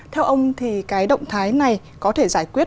theo ông thì cái động thái này có thể giải quyết